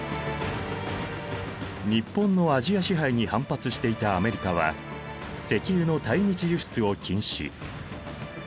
日本のアジア支配に反発していたアメリカは石油の対日輸出を禁止。